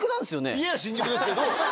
家は新宿ですけど。